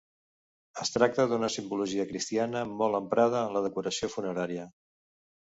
Es tracta d'una simbologia cristiana molt emprada en la decoració funerària.